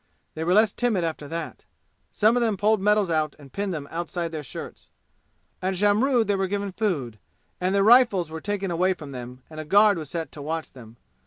They were less timid after that. Some of them pulled medals out and pinned them outside their shirts. At Jamrud they were given food and their rifles were taken away from them and a guard was set to watch them.